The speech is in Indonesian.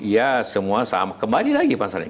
ya semua sama kembali lagi pasalnya